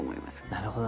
なるほどね。